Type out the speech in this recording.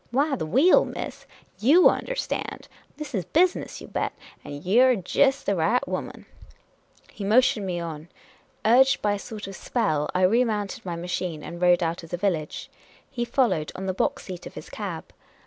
" Why, the wheel, miss ! Vott understand ! This is busi ness, you bet ! And you 're jest the right woman !" He motioned me on. Urged by a sort of spell, I re mounted my machine and rode out of the village. He followed, on the box seat of his cab.